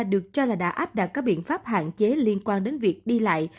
đã áp đặt các biện pháp hạn chế liên quan đến việc đi lại